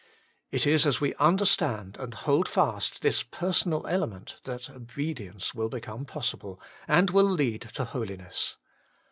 It is as we understand and hold fast this personal element that obedience will become pos sible, and will lead to holiness.